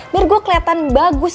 biar gue keliatan bagus